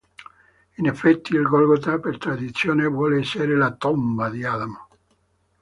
In effetti il Golgota, per tradizione vuole essere la tomba di Adamo.